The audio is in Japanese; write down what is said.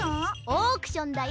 オークションだよ。